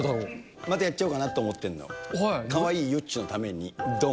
またやっちゃおうかなと思ってんの、かわいいゆっちのために、どん。